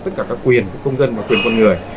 tất cả các quyền của công dân và quyền con người